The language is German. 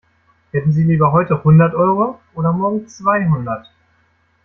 Hätten Sie lieber heute hundert Euro oder morgen zweihundert?